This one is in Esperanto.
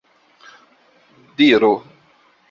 diro